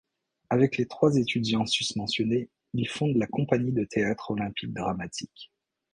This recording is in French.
Avec les trois étudiants susmentionnés, il fonde la compagnie de théâtre Olympique Dramatique.